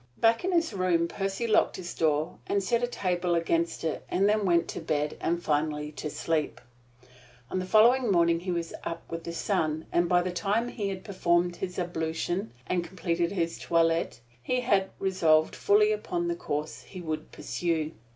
Back in his room, Percy locked his door, and set a table against it, and then went to bed, and finally to sleep. On the following morning he was up with the sun; and by the time he had performed his ablution, and completed his toilet, he had resolved fully upon the course he would pursue.